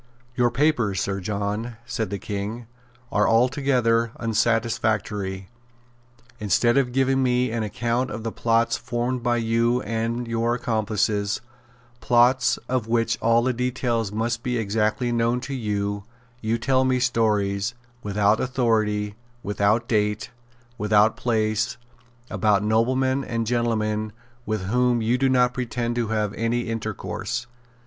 "Your papers, Sir John," said the King, "are altogether unsatisfactory. Instead of giving me an account of the plots formed by you and your accomplices, plots of which all the details must be exactly known to you, you tell me stories, without authority, without date, without place, about noblemen and gentlemen with whom you do not pretend to have had any intercourse.